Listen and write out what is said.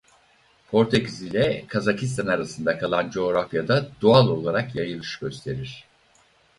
Portekiz ile Kazakistan arasında kalan coğrafyada doğal olarak yayılış gösterir.